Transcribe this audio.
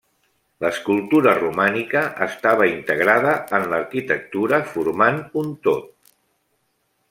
L'escultura romànica estava integrada en l'arquitectura formant un tot.